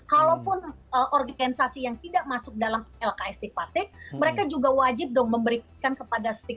kalaupun organisasi yang tidak masuk dalam lksd partai mereka juga wajib dong memberikan kepada stigma